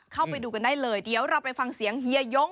เข้าไปดูกันได้เลยเดี๋ยวเราไปฟังเสียงเฮียยง